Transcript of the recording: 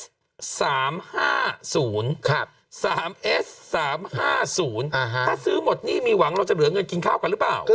ถ้าซื้อหมดหนี้มีหวังเราจะเหลือเงินกินข้าวกันหรือเปล่า